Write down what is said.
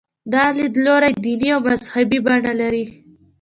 دا لیدلوری دیني او مذهبي بڼه لري.